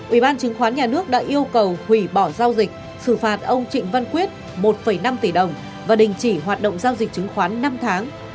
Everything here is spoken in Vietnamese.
ủy ban chứng khoán nhà nước đã yêu cầu hủy bỏ giao dịch xử phạt ông trịnh văn quyết một năm tỷ đồng và đình chỉ hoạt động giao dịch chứng khoán năm tháng